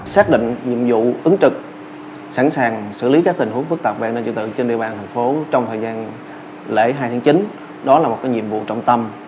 xác định nhiệm vụ ứng trực sẵn sàng xử lý các tình huống phức tạp về năng trực tượng trên địa bàn tp hcm trong thời gian lễ hai tháng chín đó là một nhiệm vụ trọng tâm